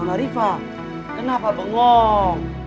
mama rifah kenapa bengong